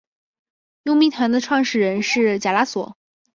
佣兵团的创始人是贾拉索。